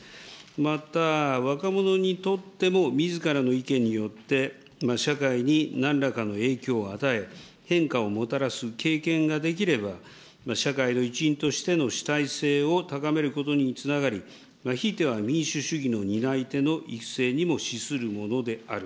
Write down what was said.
また、若者にとっても、みずからの意見によって、社会になんらかの影響を与え、変化をもたらす経験ができれば、社会の一員としての主体性を高めることにつながり、ひいては民主主義の担い手の育成にも資するものである。